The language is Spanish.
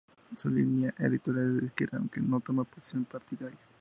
Su línea editorial es de izquierda, aunque no toma posición partidaria.